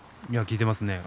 効いていますね